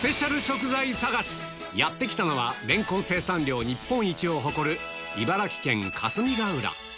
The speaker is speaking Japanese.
やって来たのはレンコン生産量日本一を誇る茨城県霞ヶ浦